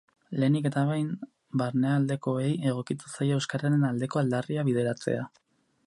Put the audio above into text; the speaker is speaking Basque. Lehenik eta behin, barnealdekoei egokituko zaie euskararen aldeko aldarria bideratzea.